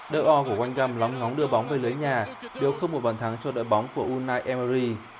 đợi o của quanh găm lóng ngóng đưa bóng về lưới nhà đều không một bàn thắng cho đợi bóng của unai emery